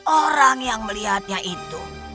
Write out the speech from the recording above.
orang yang melihatnya itu